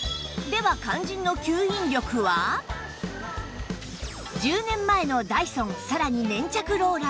は肝心の１０年前のダイソンさらに粘着ローラー